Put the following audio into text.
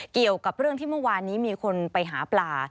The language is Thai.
เกี่ยวกับเรื่องที่เมื่อวานนี้มีคนไปหาปลา